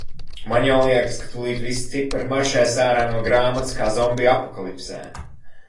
Man jau liekas, ka tūlīt visi cipari maršēs ārā no grāmatas kā zombiju apokalipsē.